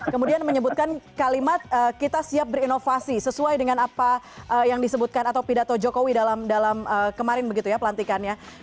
kemudian menyebutkan kalimat kita siap berinovasi sesuai dengan apa yang disebutkan atau pidato jokowi dalam kemarin begitu ya pelantikannya